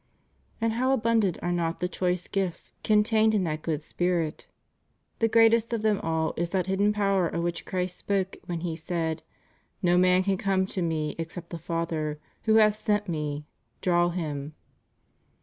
^ And how abundant are not the choice gifts contained in that good Spirit. The greatest of them all is that hidden power of which Christ spoke when He said: No m,an can come to Me except the Father, who hath sent Me, draw him.